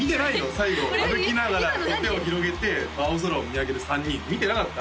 最後歩きながら手を広げて青空を見上げる３人見てなかった？